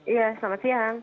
iya selamat siang